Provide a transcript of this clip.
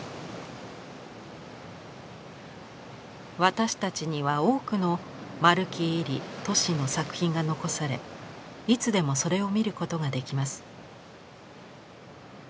私たちには多くの丸木位里・俊の作品が残されいつでもそれを見ることができます。